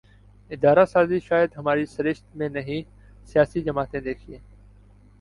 ادارہ سازی شاید ہماری سرشت میں نہیں سیاسی جماعتیں دیکھیے